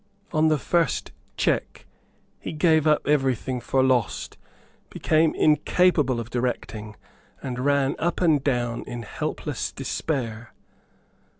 On the first check he gave up every thing for lost, became incapable of directing, and ran up and down in helpless despair.